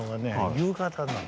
夕方なの。